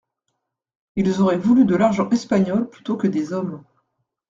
Ils auraient voulu de l'argent espagnol plutôt que des hommes.